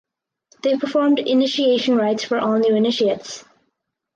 They performed initiation rites for all new initiates.